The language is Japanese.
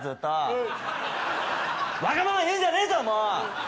うんわがまま言うんじゃねえぞもう！